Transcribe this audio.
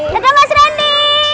dadah mas rendy